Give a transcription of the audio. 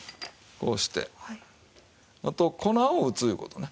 こうしてあと粉を打ついう事ね。